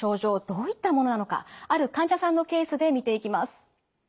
どういったものなのかある患者さんのケースで見ていきます。